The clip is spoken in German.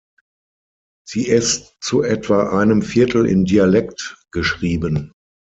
Sie ist zu etwa einem Viertel in Dialekt geschrieben.